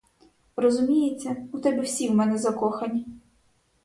Розуміється, у тебе всі в мене закохані.